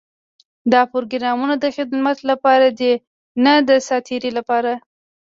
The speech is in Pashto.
دا پروګرام د خدمت لپاره دی، نۀ د ساعتېري لپاره.